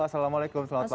assalamualaikum selamat pagi